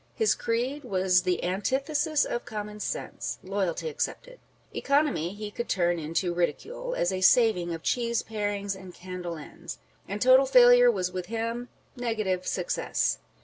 His creed was the antithesis of common sense, loyalty excepted. Economy he could turn into ridicule, " as a saving of cheese parings and candle ends;" â€" and total failure was with him " negative success."